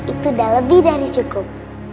itu sudah lebih dari cukup